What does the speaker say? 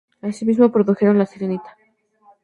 Asimismo, produjeron "La sirenita".